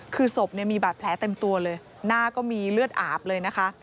คือศพมีบาดแผลเต็มตัวเลยหน้าก็มีเลือดอาบเลยนะคะ